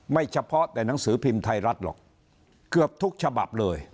เฉพาะแต่หนังสือพิมพ์ไทยรัฐหรอกเกือบทุกฉบับเลย